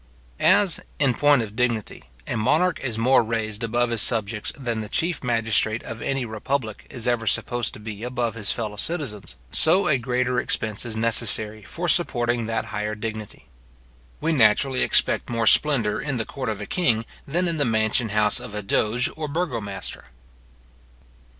As, in point of dignity, a monarch is more raised above his subjects than the chief magistrate of any republic is ever supposed to be above his fellow citizens; so a greater expense is necessary for supporting that higher dignity. We naturally expect more splendour in the court of a king, than in the mansion house of a doge or burgo master.